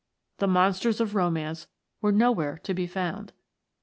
The monsters of romance were nowhere to be found.